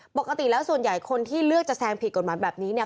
ปกติแล้วส่วนใหญ่คนที่เลือกจะแซงผิดกฎหมายแบบนี้เนี่ย